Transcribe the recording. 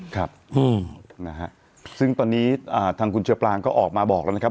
ครับนะฮะซึ่งตอนนี้ทางคุณเชอปรางก็ออกมาบอกแล้วนะครับ